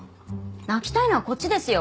泣きたいのはこっちですよ！